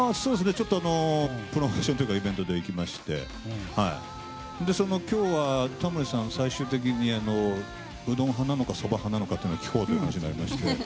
プロモーションというかイベントで行きまして今日はタモリさん、最終的にうどん派なのか、そば派なのか聞こうという話になりまして。